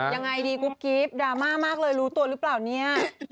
ยังไงดีกุ๊บกิ๊บดราม่ามากเลยรู้ตัวหรือเปล่าเนี่ย